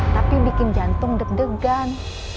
tapi bikin jantung deg degan